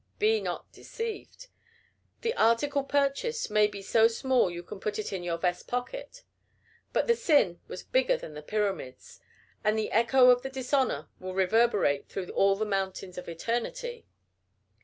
Be not deceived. The article purchased may be so small you can put it in your vest pocket, but the sin was bigger than the Pyramids, and the echo of the dishonor will reverberate through all the mountains of eternity.